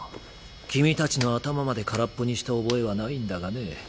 君たちの頭まで空っぽにした覚えはないんだがね。